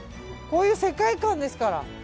こういう世界観ですから。